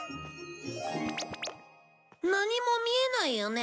何も見えないよね？